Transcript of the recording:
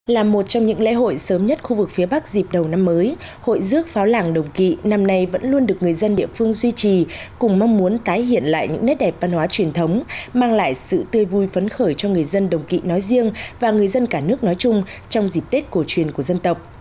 là một trong những lễ hội sớm nhất khu vực phía bắc dịp đầu năm mới hội rước pháo làng đồng kỵ năm nay vẫn luôn được người dân địa phương duy trì cùng mong muốn tái hiện lại những nét đẹp văn hóa truyền thống mang lại sự tươi vui phấn khởi cho người dân đồng kỵ nói riêng và người dân cả nước nói chung trong dịp tết cổ truyền của dân tộc